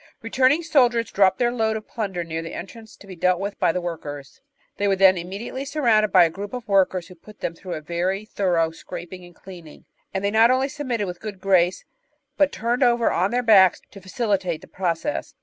Returning soldiers dropped their load of plimder near the entrance to be dealt with by the workers. They were then inmiediately surrounded by a group of workers, who put them through a very thorough scraping and cleaning, and they not only submitted with a good grace, but turned over on their backs to facilitate the process.